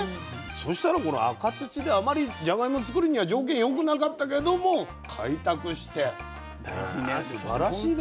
そしたらこの赤土であまりじゃがいもを作るには条件よくなかったけども開拓してねすばらしいですね。